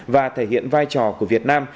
và thể hiện vai trò của việt nam